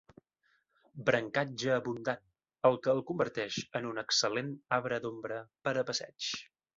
Brancatge abundant, el que el converteix en un excel·lent arbre d'ombra per a passeigs.